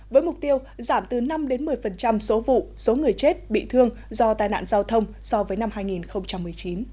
với mục tiêu giảm từ năm một mươi số vụ số người chết bị thương do tai nạn giao thông so với năm hai nghìn một mươi chín